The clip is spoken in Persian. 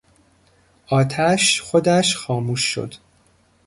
آتش خودش خاموش شد.